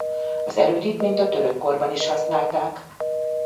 Az erődítményt a török korban is használták.